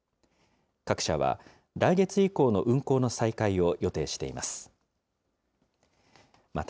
各社は来月以降の運航の再開を予定しています。